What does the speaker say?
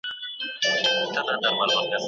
یوه سندره له راډیو خپریږي